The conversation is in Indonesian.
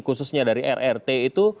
khususnya dari rrt itu